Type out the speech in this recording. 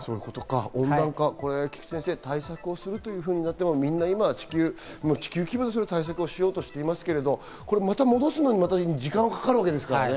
温暖化、菊地先生対策するということになっても、みんな今、地球規模で対策をしようとしていますけど、また戻すのに時間がかかるわけですからね。